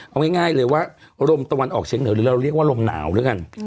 เอาง่ายเลยว่าลมตะวันออกเฉียงเหนือหรือเราเรียกว่าลมหนาวแล้วกัน